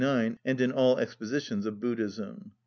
629, and in all expositions of Buddhism.